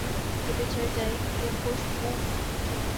کہ بچھڑ جائے گی یہ خوش بو بھی